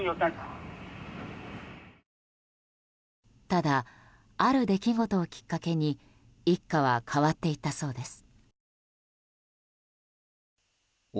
ただ、ある出来事をきっかけに一家は変わっていったそうです。